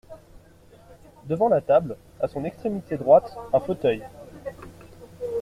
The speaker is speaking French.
Devant la table, à son extrémité droite, un fauteuil.